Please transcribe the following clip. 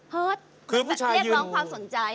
เฮิตแต่แต่เทียบล้องความสนใจ